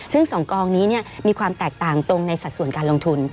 ซึ่ง๒กองนี้มีความแตกต่างตรงในสัดส่วนการลงทุน